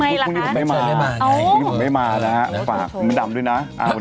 อันนี้ดีกว่าทำไมละคะมดดำภาพมือดำด้วยนะ